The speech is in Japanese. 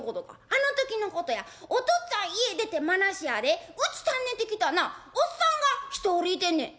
「あの時のことやおとっつぁん家出て間なしやでうち訪ねてきたなおっさんが一人いてんねん」。